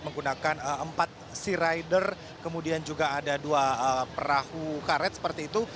menggunakan empat sea rider kemudian juga ada dua perahu karet seperti itu